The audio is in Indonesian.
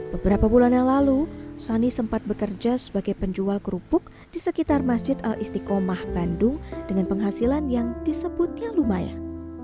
beberapa bulan yang lalu sani sempat bekerja sebagai penjual kerupuk di sekitar masjid al istiqomah bandung dengan penghasilan yang disebutnya lumayan